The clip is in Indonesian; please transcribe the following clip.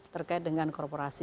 terkait dengan korporasi